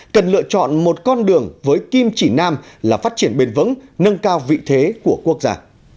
cần lựa chọn một con đường với kim chỉ nam là phát triển bền vững nâng cao vị thế của quốc gia